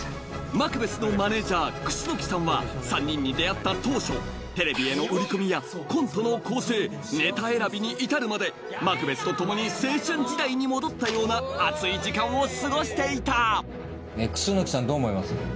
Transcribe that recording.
マクベスのマネージャー楠木さんは３人に出会った当初テレビへの売り込みやコントの構成ネタ選びに至るまでマクベスと共に青春時代に戻ったような熱い時間を過ごしていた楠木さんどう思います？